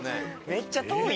めっちゃ遠いやん。